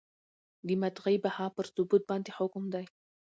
د مدعی بها پر ثبوت باندي حکم دی ؟